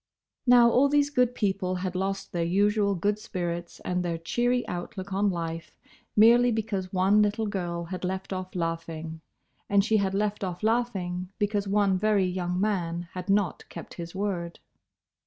Now, all these good people had lost their usual good spirits and their cheery outlook on life merely because one little girl had left off laughing; and she had left off laughing because one very young man had not kept his word.